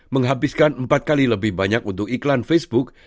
menghabiskan empat kali lebih banyak untuk iklan facebook